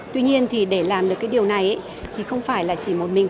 tuy nhiên để làm được điều này không phải chỉ một mình